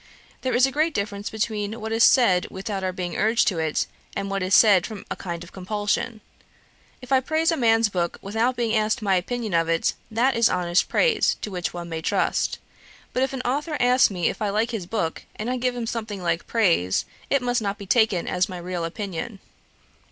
There is a great difference between what is said without our being urged to it, and what is said from a kind of compulsion. If I praise a man's book without being asked my opinion of it, that is honest praise, to which one may trust. But if an authour asks me if I like his book, and I give him something like praise, it must not be taken as my real opinion.'